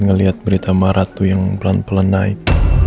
ngeliat berita maharatu yang pelan pelan naik